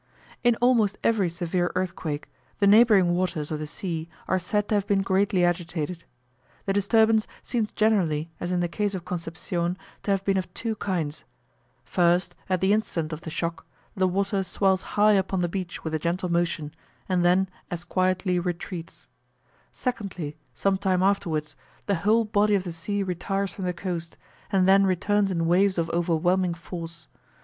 In almost every severe earthquake, the neighbouring waters of the sea are said to have been greatly agitated. The disturbance seems generally, as in the case of Concepcion, to have been of two kinds: first, at the instant of the shock, the water swells high up on the beach with a gentle motion, and then as quietly retreats; secondly, some time afterwards, the whole body of the sea retires from the coast, and then returns in waves of overwhelming force.